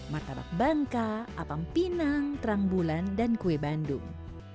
martabak bangka apam pinang terang bulan dan kue bandung